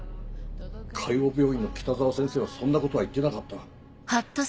海王病院の北澤先生はそんなことは言ってなかった。